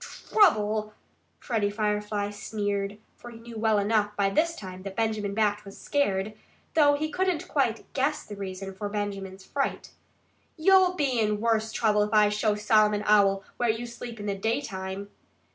"Trouble!" Freddie Firefly sneered, for he knew well enough by this time that Benjamin Bat was scared, though he couldn't quite guess the reason for Benjamin's fright. "You'll be in worse trouble if I show Solomon Owl where you sleep in the daytime."